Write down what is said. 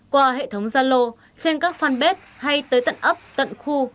qua hệ thống gia lô trên các fanpage hay tới tận ấp tận khu